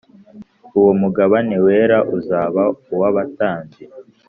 Uwo mugabane wera uzaba uw abatambyi